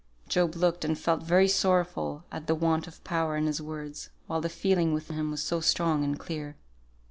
Job looked and felt very sorrowful at the want of power in his words, while the feeling within him was so strong and clear.